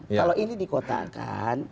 kalau ini dikotakan